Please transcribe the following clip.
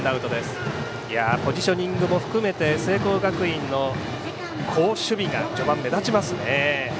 ポジショニングも含めて聖光学院の好守備が序盤、目立ちますね。